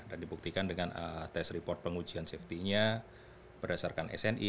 dan dibuktikan dengan tes report pengujian safety nya berdasarkan sni